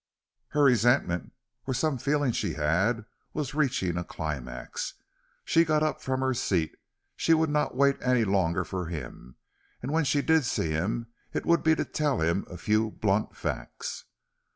Her resentment, or some feeling she had, was reaching a climax. She got up from her seat. She would not wait any longer for him, and when she did see him it would be to tell him a few blunt facts.